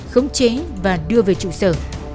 khống chế và đưa về trụ sở